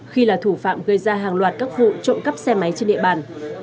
rồi ra hàng loạt các vụ trộm cắp xe máy trên địa bàn